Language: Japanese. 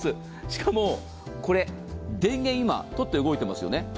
しかも、これ、電源、今取って動いてますよね。